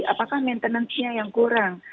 apakah maintenance nya yang kurang